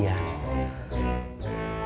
kita mau naik kelas